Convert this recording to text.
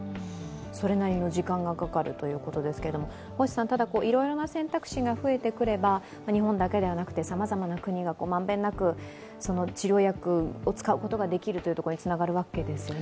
それなりの時間がかかるということですけれども、ただ、いろいろな選択肢が増えてくれば日本だけではなくてさまざまな国が満遍なく治療薬を使うことにつながるわけですよね。